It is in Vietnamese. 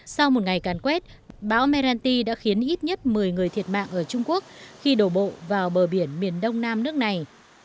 sau một ngày càn quét bão meranti đã khiến ít nhất một mươi người thiệt mạng ở trung quốc khi đổ bộ vào bờ biển miền đông nam nước này